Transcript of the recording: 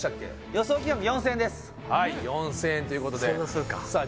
予想金額４０００円ですはい４０００円ということでそんなするかさあ